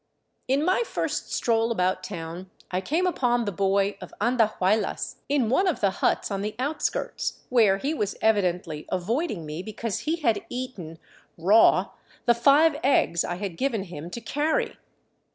In my first stroll about town I came upon the boy of Andahuaylas in one of the huts on the outskirts, where he was evidently avoiding me because he had eaten — raw — the five eggs I had given him to 410 THE CITY OF THE SUN carry.